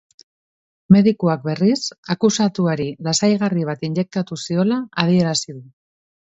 Medikuak, berriz, akusatuari lasaigarri bat injektatu ziola adierazi du.